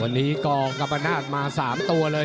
วันนี้กรกรรมนาธิ์มา๓ตัวเลย